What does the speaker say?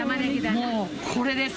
もうこれです。